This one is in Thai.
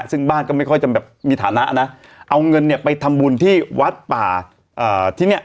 ซึ่งบ้านก็ไม่ค่อยจะแบบมีฐานะนะเอาเงินเนี่ยไปทำบุญที่วัดป่าที่เนี่ย